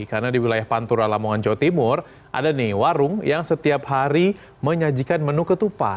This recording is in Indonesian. karena di wilayah pantura lamongan jawa timur ada nih warung yang setiap hari menyajikan menu ketupat